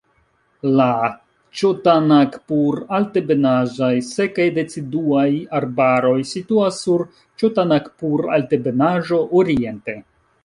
La ĉotanagpur-altebenaĵaj sekaj deciduaj arbaroj situas sur Ĉotanagpur-Altebenaĵo oriente.